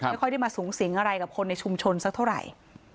ไม่ค่อยได้มาสูงสิงอะไรกับคนในชุมชนสักเท่าไหร่